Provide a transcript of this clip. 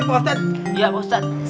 iya pak ustadz